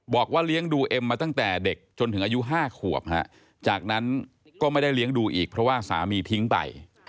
บอกว่าเลี้ยงดูเอ็มมาตั้งแต่เด็กจนถึงอายุ๕ขวบจากนั้นก็ไม่ได้เลี้ยงดูอีกเพราะว่าสามีทิ้งไป